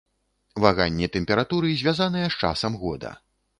Ваганні тэмпературы звязаныя з часам года.